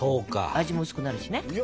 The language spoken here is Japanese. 味も薄くなるしね。